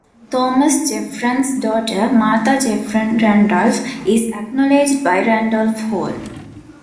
Thomas Jefferson's daughter, Martha Jefferson Randolph, is acknowledged by Randolph Hall.